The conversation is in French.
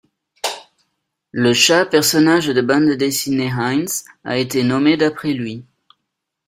Le chat personnage de bande dessinée Heinz a été nommé d'après lui.